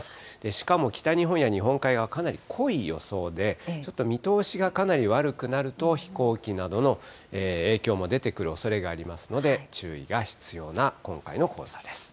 しかも北日本や日本海側、かなり濃い予想で、ちょっと見通しがかなり悪くなると、飛行機などの影響も出てくるおそれがありますので注意が必要な今回の黄砂です。